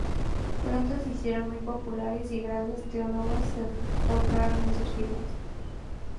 Pronto se hicieron muy populares, y grandes teólogos se forjaron en sus filas.